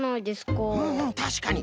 うんうんたしかに。